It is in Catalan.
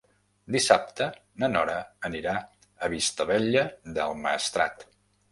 Dissabte na Nora anirà a Vistabella del Maestrat.